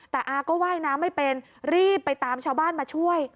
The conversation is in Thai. แต่อาก็ว่ายน้ำไม่เป็นรีบไปตามชาวบ้านมาช่วย